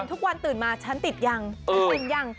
ทุกวันตื่นมาฉันติดยังตื่นยัง